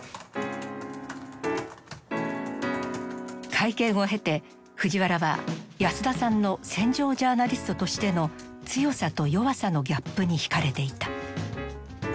会見を経て藤原は安田さんの戦場ジャーナリストとしての強さと弱さのギャップに惹かれていた。